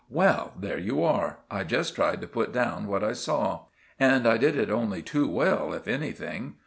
Well—there you are! I just tried to put down what I saw. And I did it only too well, if anything.